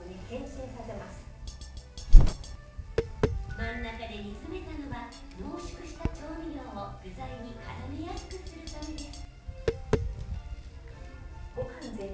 真ん中で煮詰めたのは濃縮した調味料を具材にからめやすくするためです。